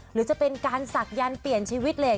หรือจะเป็นการศักยันต์เปลี่ยนชีวิตเลย